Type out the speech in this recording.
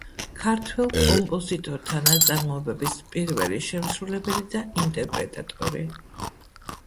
ქართველი კომპოზიტორთა ნაწარმოებების პირველი შემსრულებელი და ინტერპრეტატორი.